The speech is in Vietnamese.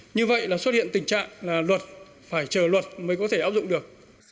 như vậy là xuất hiện tình trạng là luật phải chờ luật mới có thể áp dụng được